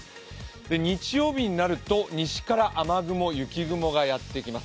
日曜日になると西から雨雲、雪雲がやってきます。